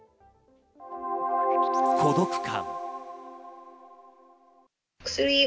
孤独感。